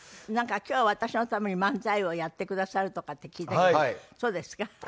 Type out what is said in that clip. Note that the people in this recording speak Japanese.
なんか今日私のために漫才をやってくださるとかって聞いたけどそうですか？